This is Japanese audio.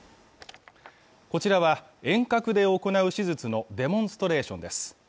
こちらは遠隔で行う手術のデモンストレーションです